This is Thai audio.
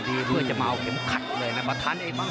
พี่น้องอ่ะพี่น้องอ่ะพี่น้องอ่ะพี่น้องอ่ะ